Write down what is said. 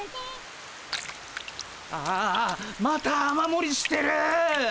ああまた雨もりしてる！